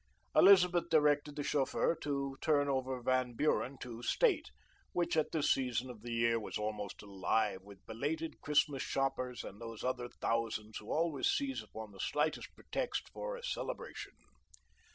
Elizabeth directed the chauffeur to turn over Van Buren to State, which at this season of the year was almost alive with belated Christmas shoppers and those other thousands who always seize upon the slightest pretext for a celebration.